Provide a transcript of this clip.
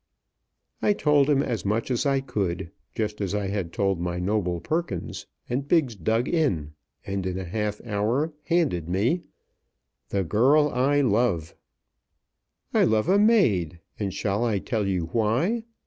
I told him as much as I could, just as I had told my noble Perkins; and Biggs dug in, and in a half hour handed me: THE GIRL I LOVE "I love a maid, and shall I tell you why?